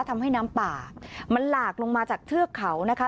ทำให้น้ำป่ามันหลากลงมาจากเทือกเขานะคะ